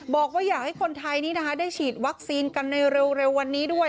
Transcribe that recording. บอกว่าอยากให้คนไทยนี้นะคะได้ฉีดวัคซีนกันในเร็ววันนี้ด้วย